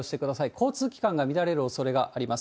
交通機関が乱れるおそれがあります。